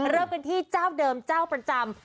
เริ่มกันที่เจ้าเดิมเจ้าประจำ